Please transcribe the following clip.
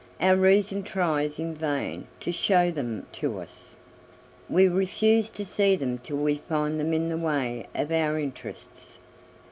Our reason tries in vain to show them to us; we refuse to see them till we find them in the way of our interests."